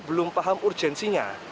belum paham urgensinya